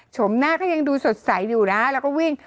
หน้าก็ยังดูสดใสอยู่นะแล้วก็วิ่ง